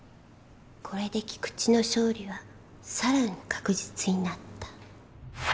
これで菊地の勝利はさらに確実になった。